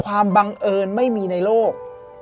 บังเอิญไม่มีในโลก